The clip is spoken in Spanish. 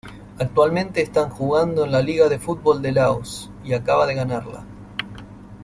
Actualmente están jugando en la Liga de Fútbol de Laos y acaba de ganarla.